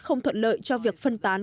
không thuận lợi cho việc phân tán